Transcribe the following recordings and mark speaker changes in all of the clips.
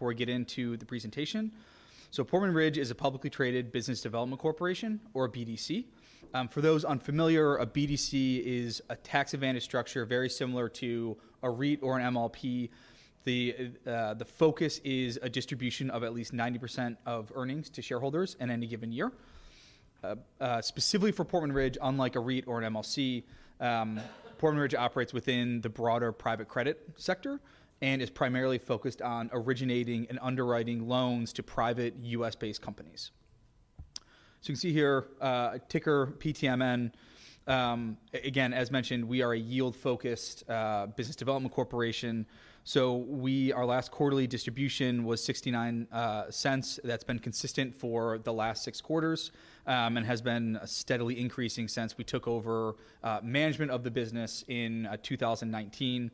Speaker 1: Before we get into the presentation, so Portman Ridge is a publicly traded business development corporation, or BDC. For those unfamiliar, a BDC is a tax-advantaged structure very similar to a REIT or an MLP. The focus is a distribution of at least 90% of earnings to shareholders in any given year. Specifically for Portman Ridge, unlike a REIT or an MLP, Portman Ridge operates within the broader private credit sector and is primarily focused on originating and underwriting loans to private U.S.-based companies. So you can see here, a ticker PTMN. Again, as mentioned, we are a yield-focused business development corporation. So our last quarterly distribution was $0.69. That's been consistent for the last six quarters and has been steadily increasing since we took over management of the business in 2019.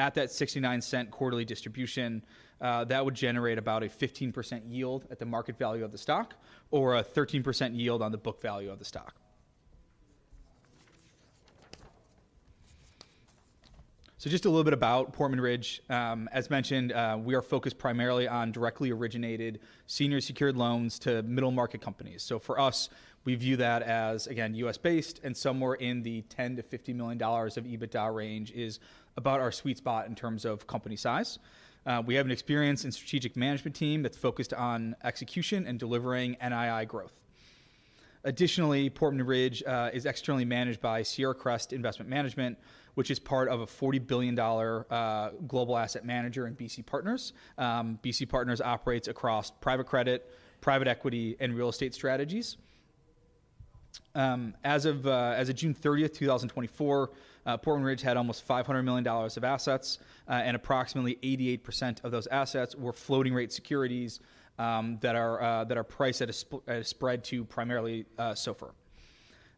Speaker 1: At that $0.69 quarterly distribution, that would generate about a 15% yield at the market value of the stock or a 13% yield on the book value of the stock. So just a little bit about Portman Ridge. As mentioned, we are focused primarily on directly originated senior secured loans to middle market companies. So for us, we view that as, again, U.S.-based, and somewhere in the $10-$50 million of EBITDA range is about our sweet spot in terms of company size. We have an experienced and strategic management team that's focused on execution and delivering NII growth. Additionally, Portman Ridge is externally managed by Sierra Crest Investment Management, which is part of a $40 billion global asset manager in BC Partners. BC Partners operates across private credit, private equity, and real estate strategies. As of June 30th, 2024, Portman Ridge had almost $500 million of assets, and approximately 88% of those assets were floating-rate securities that are priced at a spread to primarily SOFR.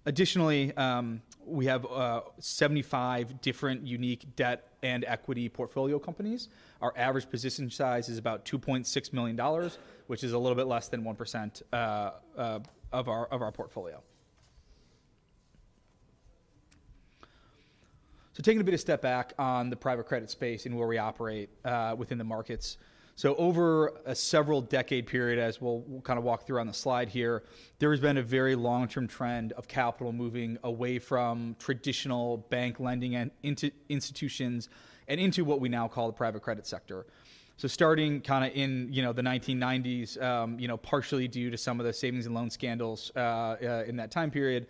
Speaker 1: Additionally, we have 75 different unique debt and equity portfolio companies. Our average position size is about $2.6 million, which is a little bit less than 1% of our portfolio. So taking a bit of a step back on the private credit space and where we operate within the markets, so over a several-decade period, as we'll kind of walk through on the slide here, there has been a very long-term trend of capital moving away from traditional bank lending institutions and into what we now call the private credit sector. So starting kind of in the 1990s, partially due to some of the savings and loan scandals in that time period,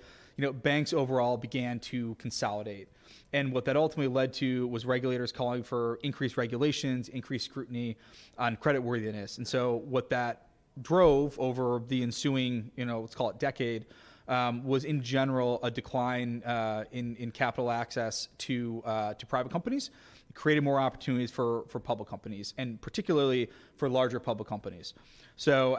Speaker 1: banks overall began to consolidate. And what that ultimately led to was regulators calling for increased regulations, increased scrutiny on creditworthiness. And so what that drove over the ensuing, let's call it decade, was in general a decline in capital access to private companies, creating more opportunities for public companies, and particularly for larger public companies. So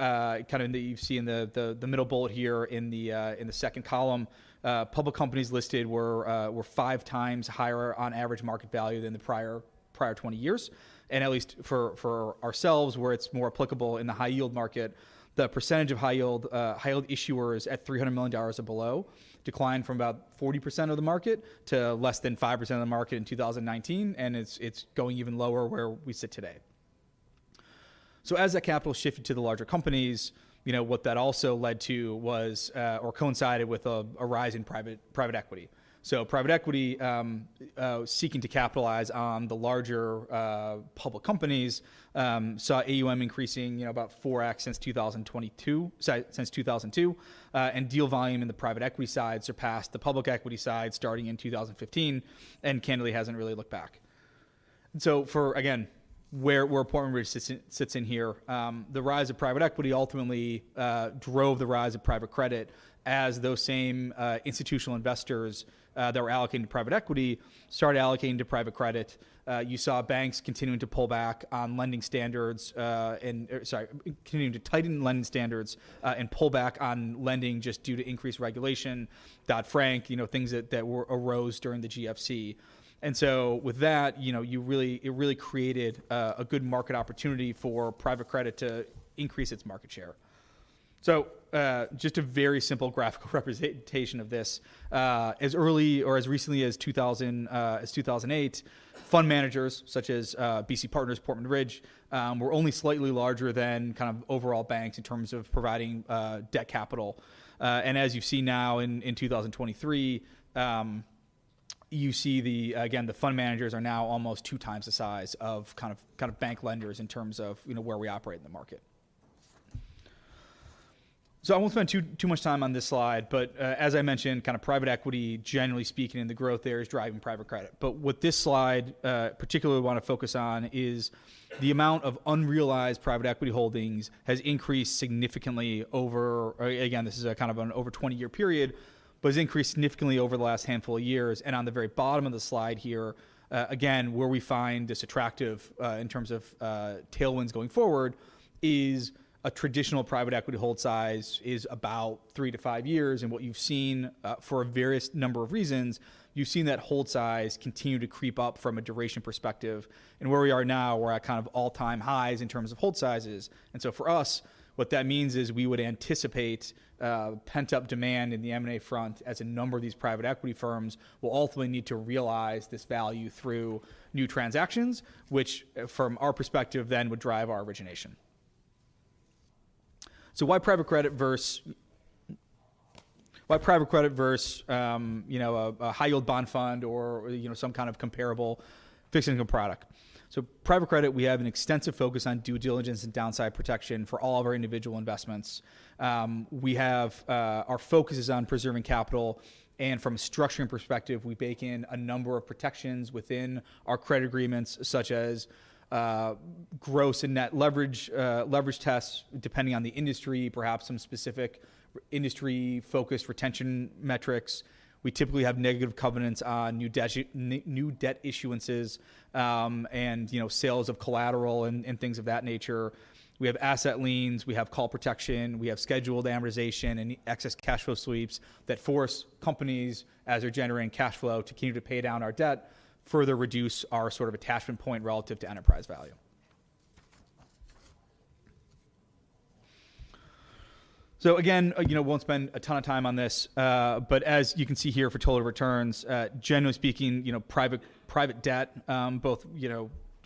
Speaker 1: kind of you see in the middle bullet here in the second column, public companies listed were five times higher on average market value than the prior 20 years. And at least for ourselves, where it's more applicable in the high-yield market, the percentage of high-yield issuers at $300 million or below declined from about 40% of the market to less than 5% of the market in 2019, and it's going even lower where we sit today. So as that capital shifted to the larger companies, what that also led to was or coincided with a rise in private equity. So private equity seeking to capitalize on the larger public companies saw AUM increasing about 4x since 2002, and deal volume in the private equity side surpassed the public equity side starting in 2015, and candidly hasn't really looked back. And so for, again, where Portman Ridge sits in here, the rise of private equity ultimately drove the rise of private credit as those same institutional investors that were allocating to private equity started allocating to private credit. You saw banks continuing to pull back on lending standards and, sorry, continuing to tighten lending standards and pull back on lending just due to increased regulation, Dodd-Frank, things that arose during the GFC. With that, it really created a good market opportunity for private credit to increase its market share. Just a very simple graphical representation of this, as early or as recently as 2008, fund managers such as BC Partners, Portman Ridge, were only slightly larger than kind of overall banks in terms of providing debt capital. As you see now in 2023, you see, again, the fund managers are now almost two times the size of kind of bank lenders in terms of where we operate in the market. I won't spend too much time on this slide, but as I mentioned, kind of private equity, generally speaking, in the growth there is driving private credit. But what this slide particularly wants to focus on is the amount of unrealized private equity holdings has increased significantly over, again, this is kind of an over 20-year period, but has increased significantly over the last handful of years. And on the very bottom of the slide here, again, where we find this attractive in terms of tailwinds going forward is a traditional private equity hold size is about three to five years. And what you've seen for a various number of reasons, you've seen that hold size continue to creep up from a duration perspective. And where we are now, we're at kind of all-time highs in terms of hold sizes. And so for us, what that means is we would anticipate pent-up demand in the M&A front as a number of these private equity firms will ultimately need to realize this value through new transactions, which from our perspective then would drive our origination. So why private credit versus a high-yield bond fund or some kind of comparable fixed-income product? So private credit, we have an extensive focus on due diligence and downside protection for all of our individual investments. Our focus is on preserving capital, and from a structuring perspective, we bake in a number of protections within our credit agreements, such as gross and net leverage tests depending on the industry, perhaps some specific industry-focused retention metrics. We typically have negative covenants on new debt issuances and sales of collateral and things of that nature. We have asset liens, we have call protection, we have scheduled amortization and excess cash flow sweeps that force companies, as they're generating cash flow, to continue to pay down our debt, further reduce our sort of attachment point relative to enterprise value. So again, we won't spend a ton of time on this, but as you can see here for total returns, generally speaking, private debt, both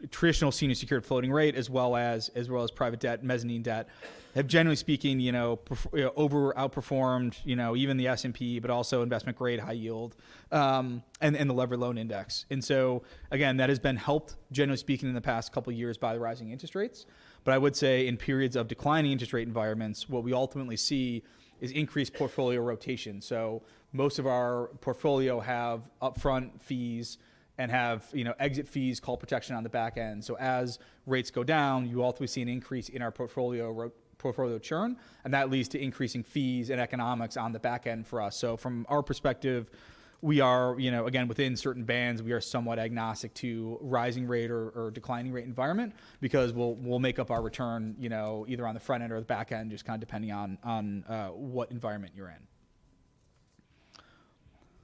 Speaker 1: traditional senior secured floating rate as well as private debt, mezzanine debt, have generally speaking outperformed even the S&P, but also investment-grade high-yield and the leveraged loan index. And so again, that has been helped, generally speaking, in the past couple of years by the rising interest rates. But I would say in periods of declining interest rate environments, what we ultimately see is increased portfolio rotation. So most of our portfolio have upfront fees and have exit fees, call protection on the back end, so as rates go down, you ultimately see an increase in our portfolio churn, and that leads to increasing fees and economics on the back end for us, so from our perspective, we are, again, within certain bands, we are somewhat agnostic to rising rate or declining rate environment because we'll make up our return either on the front end or the back end, just kind of depending on what environment you're in,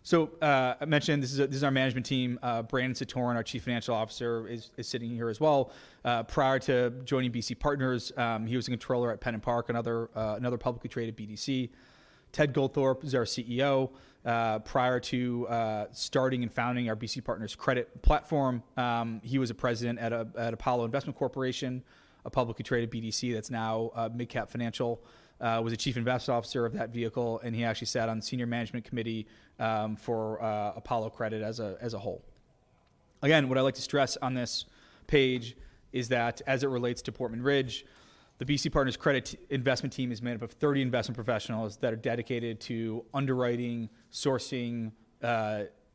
Speaker 1: so I mentioned this is our management team. Brandon Satoren, our Chief Financial Officer, is sitting here as well. Prior to joining BC Partners, he was a controller at PennantPark, another publicly traded BDC. Ted Goldthorpe is our CEO. Prior to starting and founding our BC Partners credit platform, he was a president at Apollo Investment Corporation, a publicly traded BDC that's now MidCap Financial, was a chief investment officer of that vehicle, and he actually sat on the senior management committee for Apollo Credit as a whole. Again, what I'd like to stress on this page is that as it relates to Portman Ridge, the BC Partners credit investment team is made up of 30 investment professionals that are dedicated to underwriting, sourcing,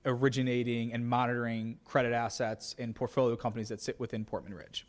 Speaker 1: originating, and monitoring credit assets and portfolio companies that sit within Portman Ridge.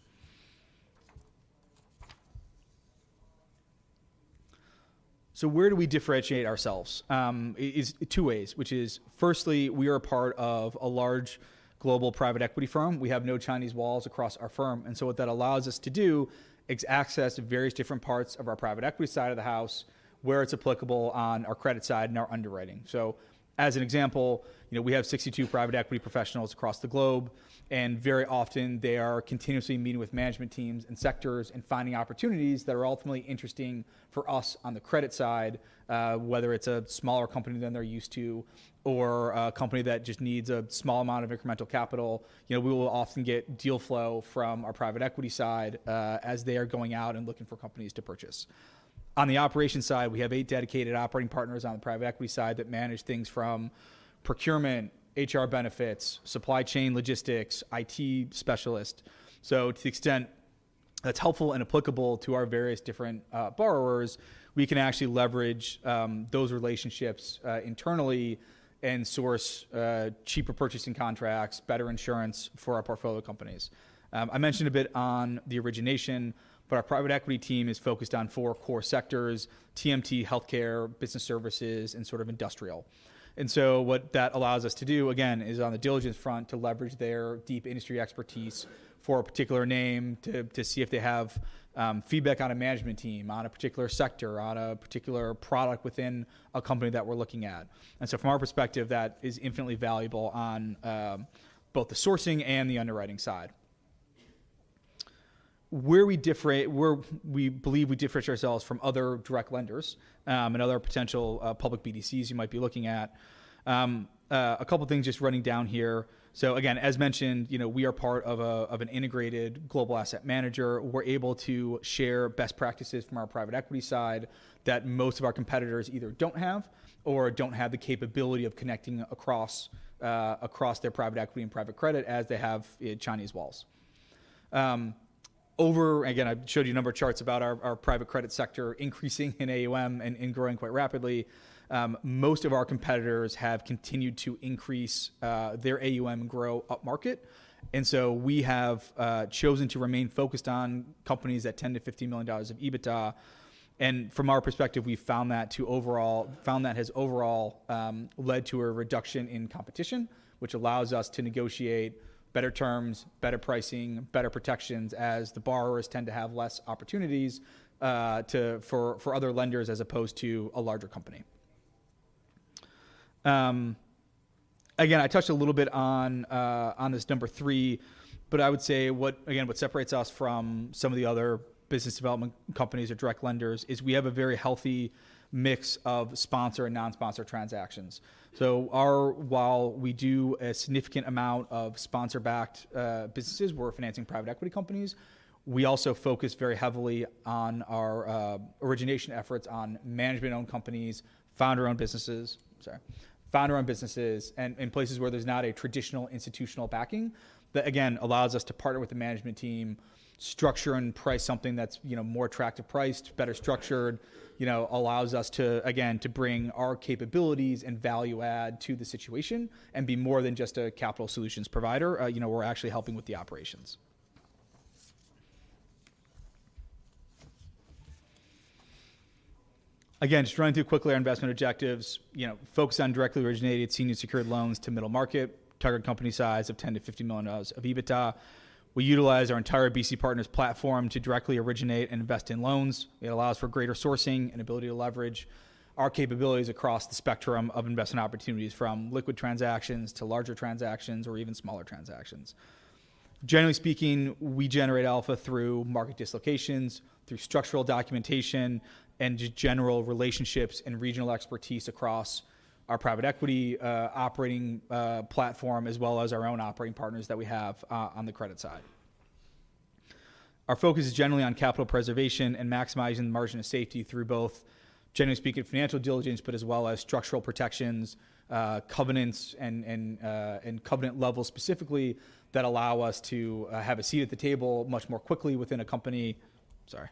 Speaker 1: So where do we differentiate ourselves? Two ways, which is firstly, we are a part of a large global private equity firm. We have no Chinese walls across our firm. And so what that allows us to do is access various different parts of our private equity side of the house where it's applicable on our credit side and our underwriting. So as an example, we have 62 private equity professionals across the globe, and very often they are continuously meeting with management teams and sectors and finding opportunities that are ultimately interesting for us on the credit side, whether it's a smaller company than they're used to or a company that just needs a small amount of incremental capital. We will often get deal flow from our private equity side as they are going out and looking for companies to purchase. On the operations side, we have eight dedicated operating partners on the private equity side that manage things from procurement, HR benefits, supply chain logistics, IT specialists. So to the extent that's helpful and applicable to our various different borrowers, we can actually leverage those relationships internally and source cheaper purchasing contracts, better insurance for our portfolio companies. I mentioned a bit on the origination, but our private equity team is focused on four core sectors: TMT, healthcare, business services, and sort of industrial. And so what that allows us to do, again, is on the diligence front to leverage their deep industry expertise for a particular name to see if they have feedback on a management team, on a particular sector, on a particular product within a company that we're looking at. And so from our perspective, that is infinitely valuable on both the sourcing and the underwriting side. Where we believe we differentiate ourselves from other direct lenders and other potential public BDCs you might be looking at, a couple of things just running down here. So again, as mentioned, we are part of an integrated global asset manager. We're able to share best practices from our private equity side that most of our competitors either don't have or don't have the capability of connecting across their private equity and private credit as they have Chinese walls. Again, I've showed you a number of charts about our private credit sector increasing in AUM and growing quite rapidly. Most of our competitors have continued to increase their AUM and grow up market. And so we have chosen to remain focused on companies that tend to $50 million of EBITDA. And from our perspective, we found that has overall led to a reduction in competition, which allows us to negotiate better terms, better pricing, better protections as the borrowers tend to have less opportunities for other lenders as opposed to a larger company. Again, I touched a little bit on this number three, but I would say, again, what separates us from some of the other business development companies or direct lenders is we have a very healthy mix of sponsor and non-sponsor transactions. So while we do a significant amount of sponsor-backed businesses, we're financing private equity companies, we also focus very heavily on our origination efforts on management-owned companies, founder-owned businesses, and places where there's not a traditional institutional backing that, again, allows us to partner with the management team, structure and price something that's more attractive priced, better structured, allows us to, again, bring our capabilities and value add to the situation and be more than just a capital solutions provider. We're actually helping with the operations. Again, just running through quickly our investment objectives, focus on directly originated senior secured loans to middle market, target company size of $10-$50 million of EBITDA. We utilize our entire BC Partners platform to directly originate and invest in loans. It allows for greater sourcing and ability to leverage our capabilities across the spectrum of investment opportunities from liquid transactions to larger transactions or even smaller transactions. Generally speaking, we generate alpha through market dislocations, through structural documentation, and just general relationships and regional expertise across our private equity operating platform as well as our own operating partners that we have on the credit side. Our focus is generally on capital preservation and maximizing the margin of safety through both, generally speaking, financial diligence, but as well as structural protections, covenants, and covenant levels specifically that allow us to have a seat at the table much more quickly within a company, sorry,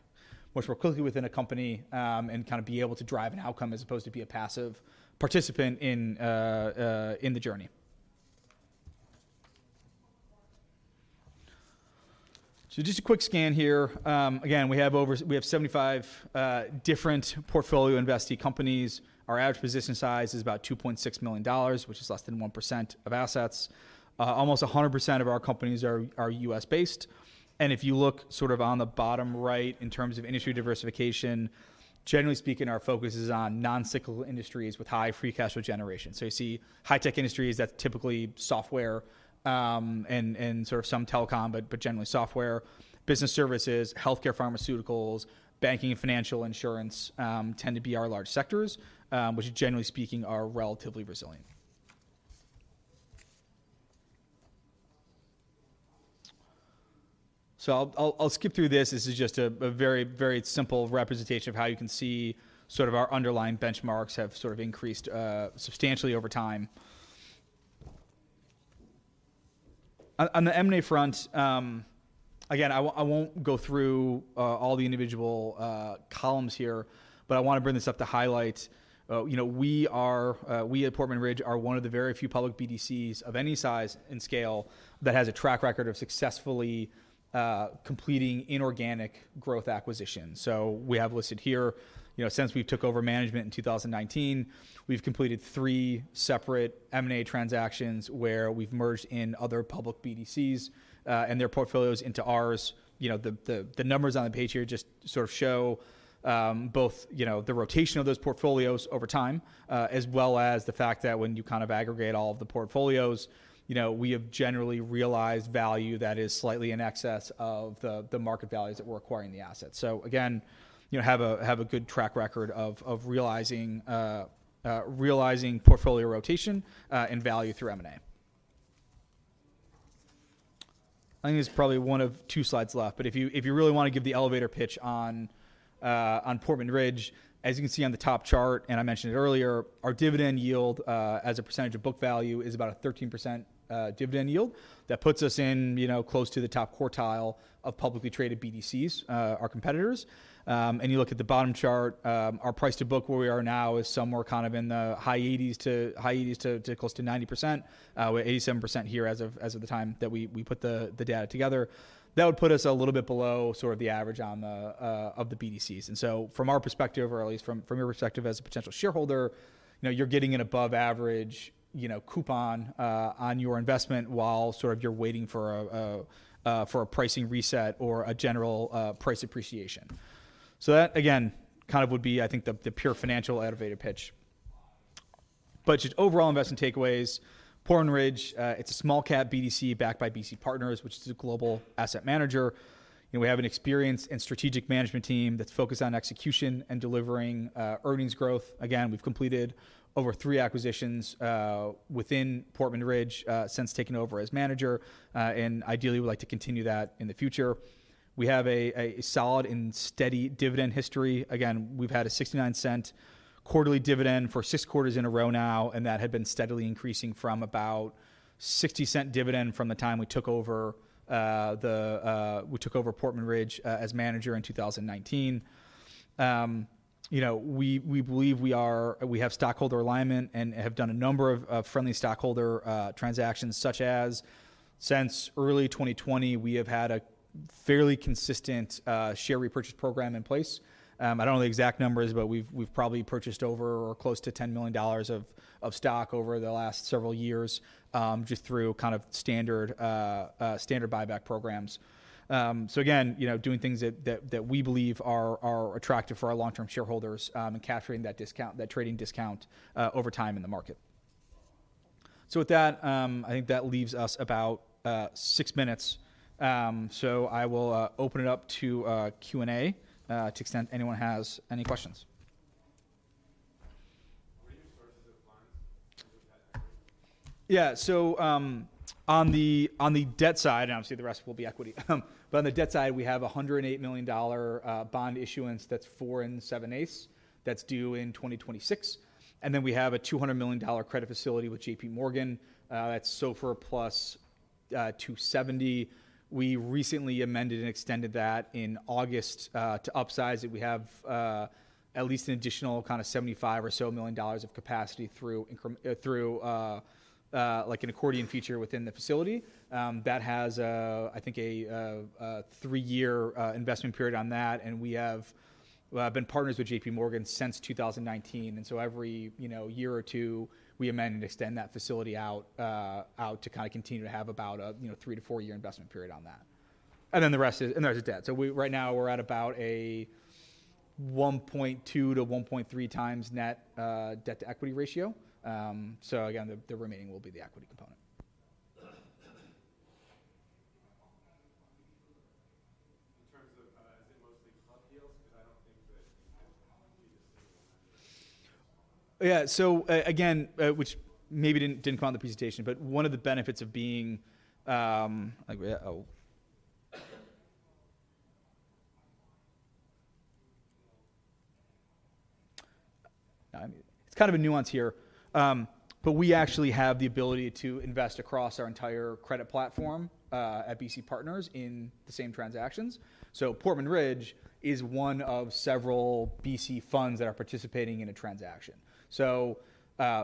Speaker 1: much more quickly within a company and kind of be able to drive an outcome as opposed to be a passive participant in the journey. So just a quick scan here. Again, we have 75 different portfolio investing companies. Our average position size is about $2.6 million, which is less than 1% of assets. Almost 100% of our companies are U.S.-based, and if you look sort of on the bottom right in terms of industry diversification, generally speaking, our focus is on non-cyclical industries with high free cash flow generation. So you see high-tech industries that's typically software and sort of some telecom, but generally software, business services, healthcare, pharmaceuticals, banking, and financial insurance tend to be our large sectors, which generally speaking are relatively resilient. So I'll skip through this. This is just a very, very simple representation of how you can see sort of our underlying benchmarks have sort of increased substantially over time. On the M&A front, again, I won't go through all the individual columns here, but I want to bring this up to highlight. We at Portman Ridge are one of the very few public BDCs of any size and scale that has a track record of successfully completing inorganic growth acquisitions. So we have listed here, since we took over management in 2019, we've completed three separate M&A transactions where we've merged in other public BDCs and their portfolios into ours. The numbers on the page here just sort of show both the rotation of those portfolios over time as well as the fact that when you kind of aggregate all of the portfolios, we have generally realized value that is slightly in excess of the market values that we're acquiring the assets. So again, have a good track record of realizing portfolio rotation and value through M&A. I think there's probably one or two slides left, but if you really want to give the elevator pitch on Portman Ridge, as you can see on the top chart, and I mentioned it earlier, our dividend yield as a percentage of book value is about a 13% dividend yield. That puts us in close to the top quartile of publicly traded BDCs, our competitors, and you look at the bottom chart, our price to book where we are now is somewhere kind of in the high 80s to close to 90%, with 87% here as of the time that we put the data together. That would put us a little bit below sort of the average of the BDCs. And so from our perspective, or at least from your perspective as a potential shareholder, you're getting an above-average coupon on your investment while sort of you're waiting for a pricing reset or a general price appreciation. So that, again, kind of would be, I think, the pure financial elevator pitch. But just overall investment takeaways, Portman Ridge, it's a small-cap BDC backed by BC Partners, which is a global asset manager. We have an experienced and strategic management team that's focused on execution and delivering earnings growth. Again, we've completed over three acquisitions within Portman Ridge since taking over as manager, and ideally, we'd like to continue that in the future. We have a solid and steady dividend history. Again, we've had a $0.69 quarterly dividend for six quarters in a row now, and that had been steadily increasing from about $0.60 dividend from the time we took over Portman Ridge as manager in 2019. We believe we have stockholder alignment and have done a number of friendly stockholder transactions, such as since early 2020, we have had a fairly consistent share repurchase program in place. I don't know the exact numbers, but we've probably purchased over or close to $10 million of stock over the last several years just through kind of standard buyback programs. So again, doing things that we believe are attractive for our long-term shareholders and capturing that trading discount over time in the market. So with that, I think that leaves us about six minutes. So I will open it up to Q&A to the extent anyone has any questions. What are your sources of funds? Yeah. So on the debt side, and obviously the rest will be equity, but on the debt side, we have a $108 million bond issuance that's 4.875% that's due in 2026. And then we have a $200 million credit facility with J.P. Morgan that's SOFR plus 270. We recently amended and extended that in August to upsize it. We have at least an additional kind of $75 million or so of capacity through an accordion feature within the facility. That has, I think, a three-year investment period on that, and we have been partners with J.P. Morgan since 2019. And so every year or two, we amend and extend that facility out to kind of continue to have about a three to four-year investment period on that. And then the rest is debt. So right now, we're at about a 1.2-1.3 times net debt to equity ratio. So again, the remaining will be the equity component. In terms of, is it mostly club deals? Because I don't think that you can beat a single member. Yeah. So again, which maybe didn't come out in the presentation, but one of the benefits of being it's kind of a nuance here, but we actually have the ability to invest across our entire credit platform at BC Partners in the same transactions. So Portman Ridge is one of several BC funds that are participating in a transaction. So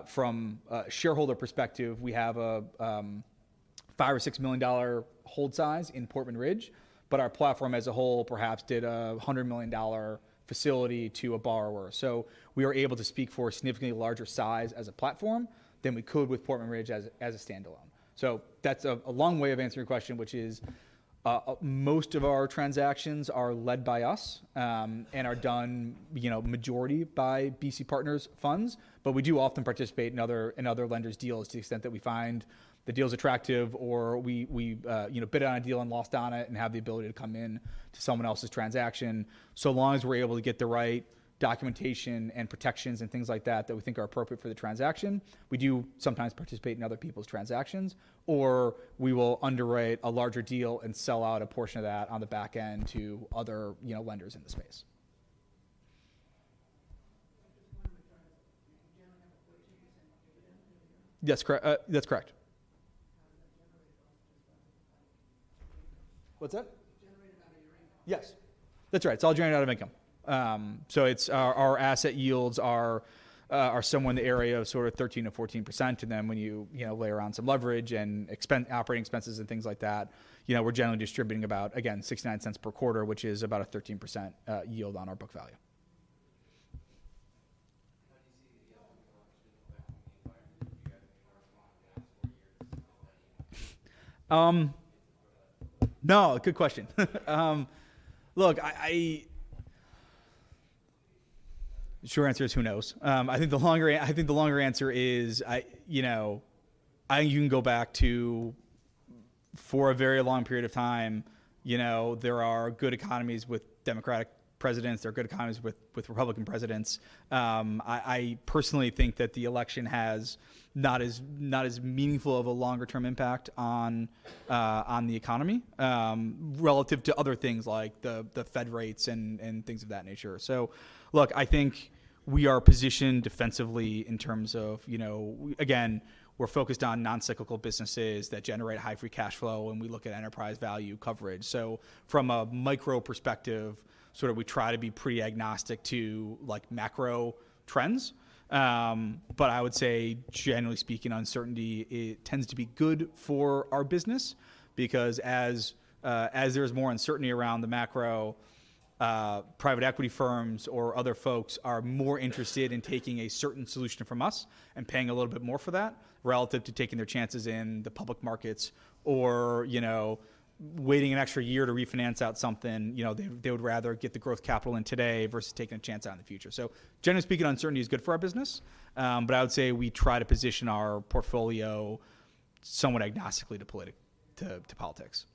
Speaker 1: from a shareholder perspective, we have a $5-$6 million hold size in Portman Ridge, but our platform as a whole perhaps did a $100 million facility to a borrower. So we are able to speak for a significantly larger size as a platform than we could with Portman Ridge as a standalone. So that's a long way of answering your question, which is most of our transactions are led by us and are done majority by BC Partners funds, but we do often participate in other lenders' deals to the extent that we find the deals are attractive or we bid on a deal and lost on it and have the ability to come into someone else's transaction. So long as we're able to get the right documentation and protections and things like that that we think are appropriate for the transaction, we do sometimes participate in other people's transactions, or we will underwrite a larger deal and sell out a portion of that on the back end to other lenders in the space. I just wanted to try to generate a quote to use in dividend. Yes, correct. That's correct. What's that? Generate out of your income. Yes. That's right. It's all generated out of income. So our asset yields are somewhere in the area of sort of 13%-14%, and then when you layer on some leverage and operating expenses and things like that, we're generally distributing about, again, $0.69 per quarter, which is about a 13% yield on our book value. How do you see the yield in the market back in the environment? You guys have been working on that for years. No, good question. Look, the short answer is who knows. I think the longer answer is I think you can go back to for a very long period of time, there are good economies with Democratic presidents. There are good economies with Republican presidents. I personally think that the election has not as meaningful of a longer-term impact on the economy relative to other things like the Fed rates and things of that nature. So look, I think we are positioned defensively in terms of, again, we're focused on non-cyclical businesses that generate high free cash flow, and we look at enterprise value coverage. So from a micro perspective, sort of we try to be pre-agnostic to macro trends. But I would say, generally speaking, uncertainty tends to be good for our business because as there's more uncertainty around the macro, private equity firms or other folks are more interested in taking a certain solution from us and paying a little bit more for that relative to taking their chances in the public markets or waiting an extra year to refinance out something. They would rather get the growth capital in today versus taking a chance out in the future. So generally speaking, uncertainty is good for our business, but I would say we try to position our portfolio somewhat agnostically to politics.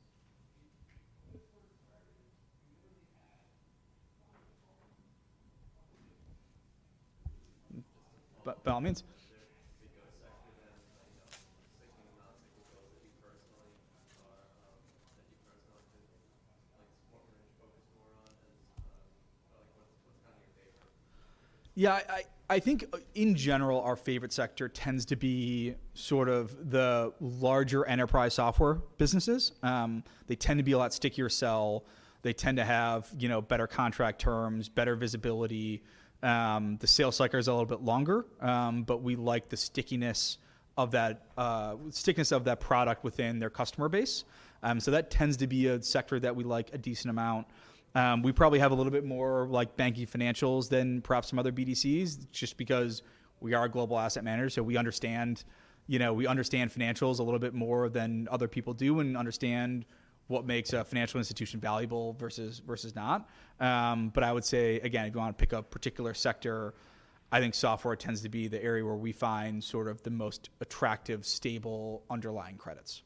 Speaker 1: By all means. Is there a particular sector that's like the non-cyclicals that you personally think Portman Ridge focused more on? What's kind of your favorite? Yeah. I think in general, our favorite sector tends to be sort of the larger enterprise software businesses. They tend to be a lot stickier sell. They tend to have better contract terms, better visibility. The sales cycle is a little bit longer, but we like the stickiness of that product within their customer base. So that tends to be a sector that we like a decent amount. We probably have a little bit more banking financials than perhaps some other BDCs just because we are a global asset manager. So we understand financials a little bit more than other people do and understand what makes a financial institution valuable versus not. But I would say, again, if you want to pick a particular sector, I think software tends to be the area where we find sort of the most attractive, stable underlying credits.